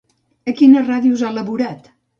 A quines ràdios ha laborat?